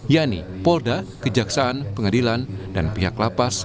yakni polda kejaksaan pengadilan dan pihak lapas